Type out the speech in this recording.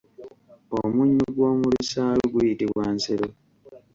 Omunnyu gwomu lusaalu guyitibwa Nsero.